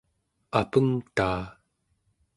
apengtaa